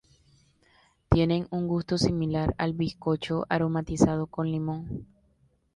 Tienen un gusto similar al bizcocho aromatizado con limón.